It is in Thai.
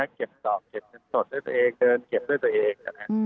เขียบยังเซอร์ฟสดหรือเดินเก็บด้วยตัวเอง